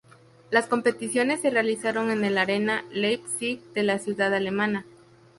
Las competiciones se realizaron en el Arena Leipzig de la ciudad alemana.